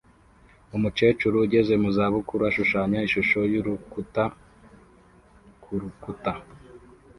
Umukecuru ugeze mu za bukuru ashushanya ishusho yurukuta kurukuta